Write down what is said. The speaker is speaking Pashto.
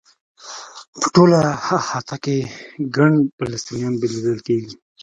په ټوله احاطه کې ګڼ فلسطینیان لیدل کېږي.